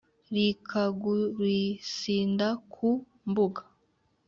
rikagursinda ku mbuga